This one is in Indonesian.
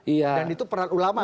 dan itu peran ulama